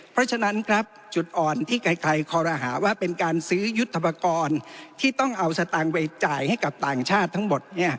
เพราะฉะนั้นครับจุดอ่อนที่ใครคอรหาว่าเป็นการซื้อยุทธปกรณ์ที่ต้องเอาสตางค์ไปจ่ายให้กับต่างชาติทั้งหมด